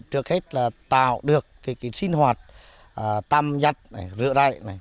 trước hết là tạo được cái sinh hoạt tăm nhặt rửa rậy này